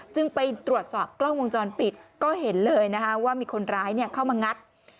จึงไปตรวจสอบกล้องวงจรปิดก็เห็นเลยนะคะว่ามีคนร้ายเข้ามางัด